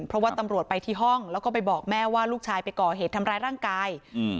เพราะว่าตำรวจไปที่ห้องแล้วก็ไปบอกแม่ว่าลูกชายไปก่อเหตุทำร้ายร่างกายอืม